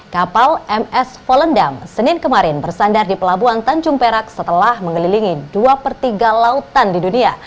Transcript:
kapal ms volendam senin kemarin bersandar di pelabuhan tanjung perak setelah mengelilingi dua per tiga lautan di dunia